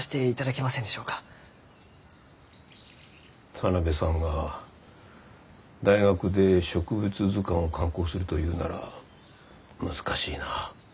田邊さんが大学で植物図鑑を刊行するというなら難しいな。